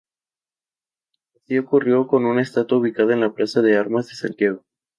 Así ocurrió con una estatua ubicada en la Plaza de Armas de Santiago.